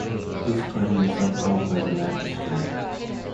This claim was upheld by the Magistrate.